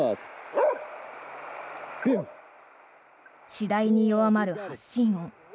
次第に弱まる発信音。